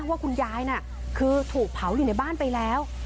ว่าคุณยายน่ะคือถูกเผาอยู่ในบ้านไปแล้ว